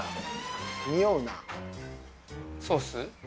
ソース？